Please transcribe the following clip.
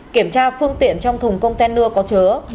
kiểm tra phương tiện trong thùng container có chứa